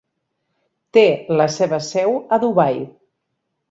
Té la seva seu a Dubai.